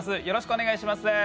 よろしくお願いします！